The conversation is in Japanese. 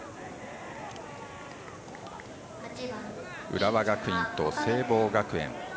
浦和学院と聖望学園。